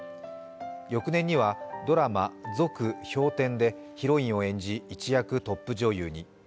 翌年には、ドラマ「続・氷点」でヒロインを演じ一躍トップ女優に。